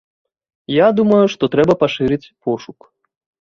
Я думаю, што трэба пашырыць пошук.